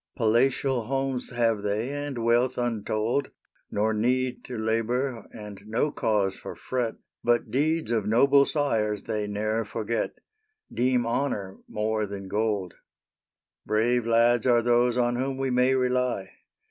Palatial homes have they and wealth untold; Nor need to labor, and no cause for fret, But deeds of noble sires they ne'er forget; Deem honor more than gold. Brave lads are these on whom we may rely.